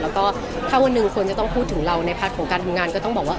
แล้วก็ถ้าวันหนึ่งคนจะต้องพูดถึงเราในพาร์ทของการทำงานก็ต้องบอกว่า